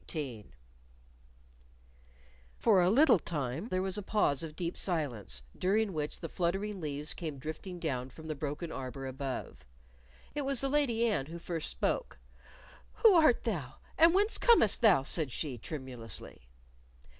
CHAPTER 18 For a little time there was a pause of deep silence, during which the fluttering leaves came drifting down from the broken arbor above. It was the Lady Anne who first spoke. "Who art thou, and whence comest thou?" said she, tremulously.